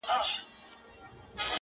څه ژوند كولو ته مي پريږده كنه ,